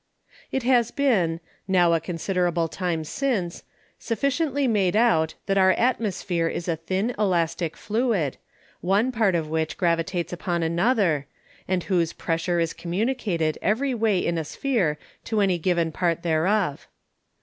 It has bin, now a considerable time since, sufficiently made out, that our Atmosphere is a thin Elastic Fluid, one part of which gravitates upon another, and whose Pressure is communicated every way in a Sphere to any given Part thereof.